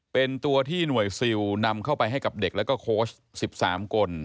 เป็นตัวที่หน่วยซิลนำเข้าไปให้กับเด็กแล้วก็โค้ช๑๓คน